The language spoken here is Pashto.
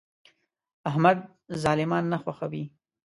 احمد ظالمان نه خوښوي.